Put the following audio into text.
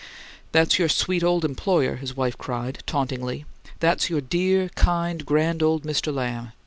"That's your sweet old employer," his wife cried, tauntingly. "That's your dear, kind, grand old Mister Lamb!